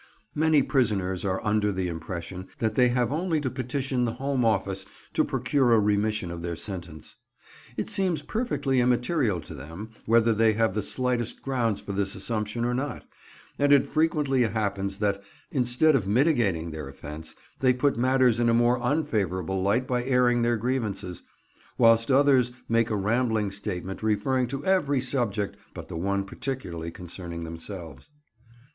Many prisoners are under the impression that they have only to petition the Home Office to procure a remission of their sentence. It seems perfectly immaterial to them, whether they have the slightest grounds for this assumption or not, and it frequently happens that, instead of mitigating their offence, they put matters in a more unfavourable light by airing their grievances, whilst others make a rambling statement referring to every subject but the one particularly concerning themselves.